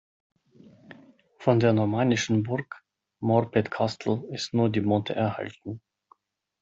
Von der normannischen Burg "Morpeth Castle" ist nur die Motte erhalten.